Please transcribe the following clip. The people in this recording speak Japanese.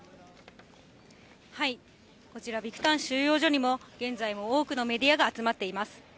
こちら、ビクタン収容所にも、現在も多くのメディアが集まっています。